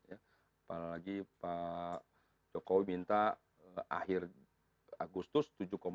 apalagi pak jokowi minta akhir agustus tujuh lima